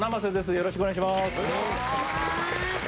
よろしくお願いします。